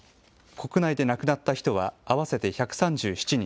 国内で亡くなった人は合わせて１３７人。